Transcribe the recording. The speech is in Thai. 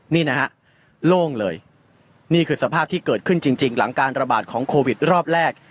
นี่นะฮะโล่งเลยนี่คือสภาพที่เกิดขึ้นจริงหลังการระบาดของโควิดรอบแรก